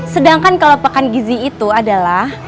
sedangkan kalau pakan gizi itu adalah